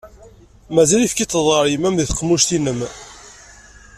Mazal ayefki teṭṭḍeḍ ɣur yemma-m di tqemmuct-inem.